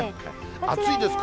暑いですか？